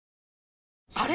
あれ？